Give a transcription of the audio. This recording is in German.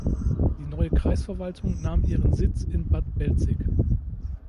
Die neue Kreisverwaltung nahm ihren Sitz in Bad Belzig.